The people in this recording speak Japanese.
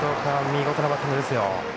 見事なバッティングですよ。